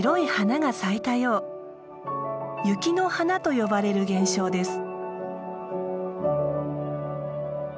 「雪の華」と呼ばれる現象です。